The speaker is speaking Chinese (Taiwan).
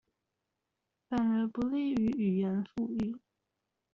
反而不利於語言復育